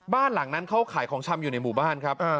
บ้านหลังนั้นเขาขายของชำอยู่ในหมู่บ้านครับ